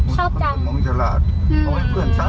ใช่จะหลักด้วย